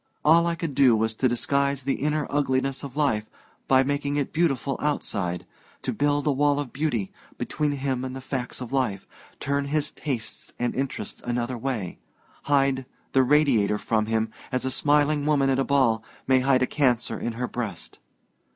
All I could do was to disguise the inner ugliness of life by making it beautiful outside to build a wall of beauty between him and the facts of life, turn his tastes and interests another way, hide the Radiator from him as a smiling woman at a ball may hide a cancer in her breast!